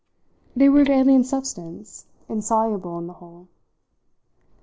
They were of alien substance insoluble in the whole.